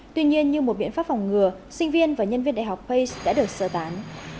tuy nhiên như một biện pháp phòng ngừa sinh viên và nhân viên đại học pat đã được sơ tán